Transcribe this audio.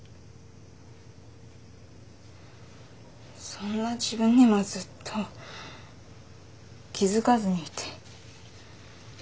そんな自分にもずっと気付かずにいて。